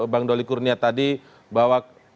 bang doli kurnia tadi bahwa